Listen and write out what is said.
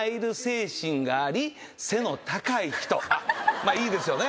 まあいいですよね。